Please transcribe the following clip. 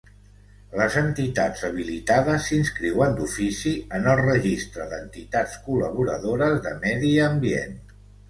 Les entitats habilitades s'inscriuen d'ofici en el Registre d'entitats col·laboradores de medi ambient.